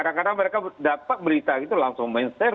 ya kadang kadang mereka dapat berita gitu langsung menser